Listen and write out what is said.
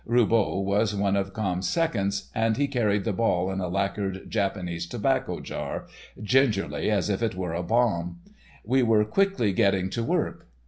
Roubault was one of Camme's seconds, and he carried the ball in a lacquered Japanese tobacco jar—gingerly as if it were a bomb. We were quick getting to work.